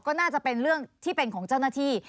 ก็น่าจะเป็นเรื่องที่เป็นของเจ้าหน้าที่